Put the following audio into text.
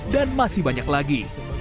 dan masih banyak lagi